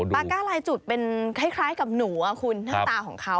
ก้าลายจุดเป็นคล้ายกับหนูคุณหน้าตาของเขา